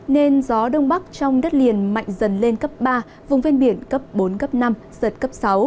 nên gió đông bắc trong đất liền mạnh dần lên cấp ba vùng ven biển cấp bốn cấp năm giật cấp sáu